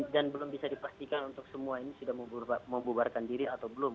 dan belum bisa dipastikan untuk semua ini sudah membubarkan diri atau belum